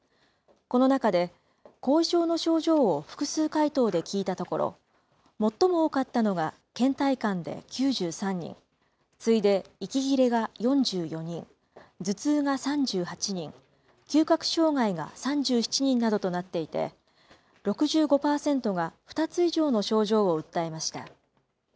この中で、後遺症の症状を複数回答で聞いたところ、最も多かったのがけん怠感で９３人、次いで息切れが４４人、頭痛が３８人、嗅覚障害が３７人などとなっていて、６５％が２つ以上の症状を訴えました。